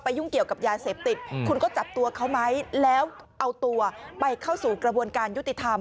ยุ่งเกี่ยวกับยาเสพติดคุณก็จับตัวเขาไหมแล้วเอาตัวไปเข้าสู่กระบวนการยุติธรรม